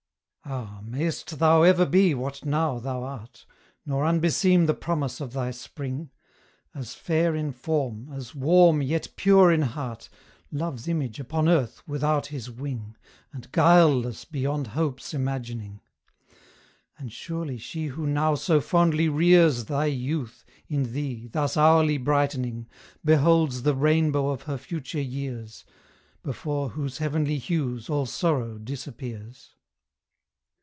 Ah! mayst thou ever be what now thou art, Nor unbeseem the promise of thy spring, As fair in form, as warm yet pure in heart, Love's image upon earth without his wing, And guileless beyond Hope's imagining! And surely she who now so fondly rears Thy youth, in thee, thus hourly brightening, Beholds the rainbow of her future years, Before whose heavenly hues all sorrow disappears.